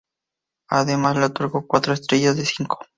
Además, le otorgó cuatro estrellas de cinco.